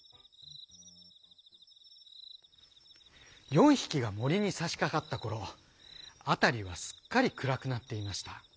４ひきがもりにさしかかったころあたりはすっかりくらくなっていました。